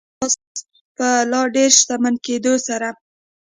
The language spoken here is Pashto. د سناتوریال کلاس په لا ډېر شتمن کېدو سره.